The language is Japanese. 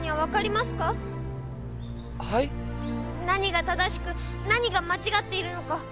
何が正しく何が間違っているのか。